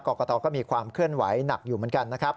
กรกตก็มีความเคลื่อนไหวหนักอยู่เหมือนกันนะครับ